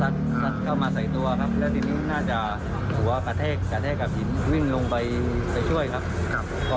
และทีนี้น่าจะหัวกระเทศกระเทศกับหญิงวิ่งลงไปช่วยครับ